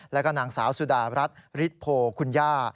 แล้วก็นางสาวสุดารัฐฤทธโพคุณย่า